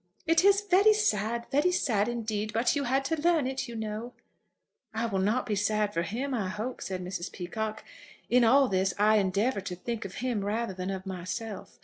"It is very sad; very sad indeed; but you had to learn it, you know." "It will not be sad for him, I hope," said Mrs. Peacocke. "In all this, I endeavour to think of him rather than of myself.